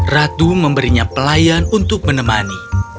ratu memberinya pelayan untuk menemani